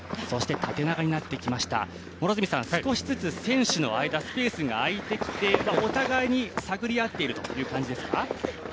そして縦長になってきました選手の間スペースが空いてきてお互いに探り合っているという感じですか。